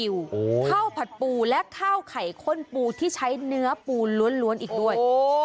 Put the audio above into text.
ข้าวผัดปูและข้าวไข่ข้นปูที่ใช้เนื้อปูล้วนอีกด้วย